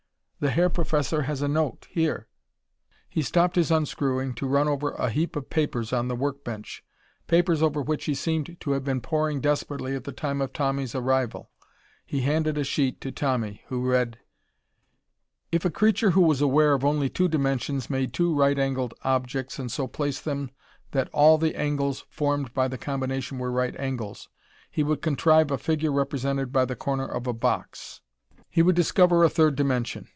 The Herr Professor has a note, here " He stopped his unscrewing to run over a heap of papers on the work bench papers over which he seemed to have been poring desperately at the time of Tommy's arrival. He handed a sheet to Tommy, who read: "If a creature who was aware of only two dimensions made two right angled objects and so placed them that all the angles formed by the combination were right angles, he would contrive a figure represented by the corner of a box; he would discover a third dimension.